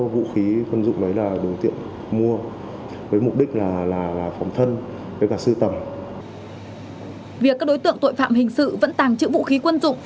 việc các đối tượng tội phạm hình sự vẫn tàng trữ vũ khí quân dụng